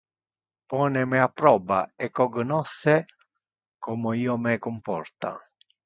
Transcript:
Pone me a proba e cognosce como io me comporta!